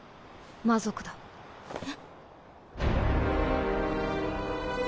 魔族だ。え？